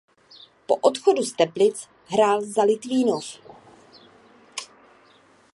Po odchodu z Teplic hrál za Litvínov.